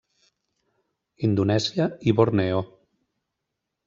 Indonèsia i Borneo.